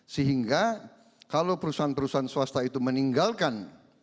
sehingga kalau perusahaan perusahaan swasta itu meninggalkan